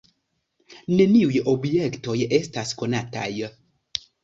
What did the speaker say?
Neniuj objektoj estas konataj.